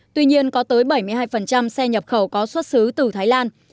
tuy nhiên có tới bảy mươi hai xe nhập khẩu có xuất xứ từ thái lan